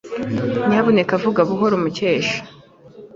Nyamuneka vuga buhoro, Mukesha.